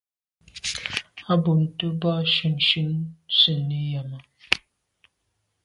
A bumte boa shunshun sènni yàme.